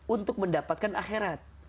untuk mendapatkan akhirat